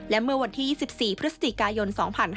และเมื่อวันที่๒๔พฤศจิกายน๒๕๕๙